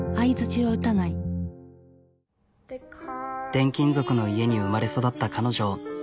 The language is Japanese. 転勤族の家に生まれ育った彼女。